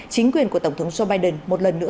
chính quyền của tổng thống joe biden một lần nữa